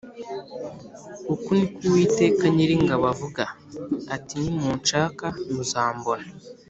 Uku ni ko Uwiteka Nyiringabo avuga ati nimunshaka muzambona